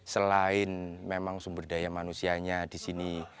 selain memang sumber daya manusianya di sini